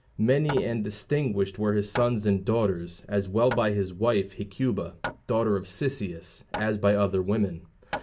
Many and distinguished were his sons and daughters, as well by his wife Hecuba, daughter of Cisseus, as by other women.